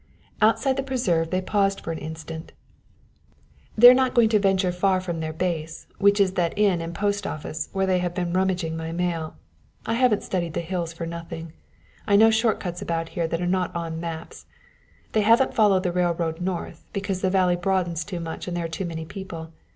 Outside the preserve they paused for an instant. "They're not going to venture far from their base, which is that inn and post office, where they have been rummaging my mail. I haven't studied the hills for nothing, and I know short cuts about here that are not on maps. They haven't followed the railroad north, because the valley broadens too much and there are too many people.